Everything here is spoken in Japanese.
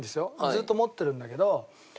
ずっと持ってるんだけど。